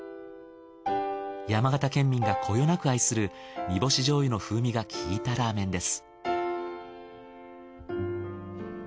山形県民がこよなく愛する煮干し醤油の風味が効いたラーメンです。